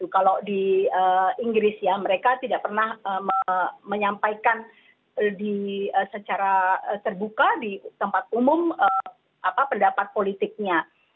kalau di inggris ya mereka tidak pernah menyampaikan secara terbuka di tempat umum pendapat politiknya